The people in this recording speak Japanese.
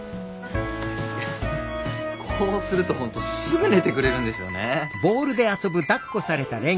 こうするとホントすぐ寝てくれるんですよね。